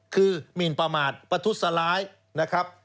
คือมีนปลาหมาดประทุษศร้ายนะครับ